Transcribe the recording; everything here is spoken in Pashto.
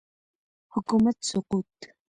حکومت سقوط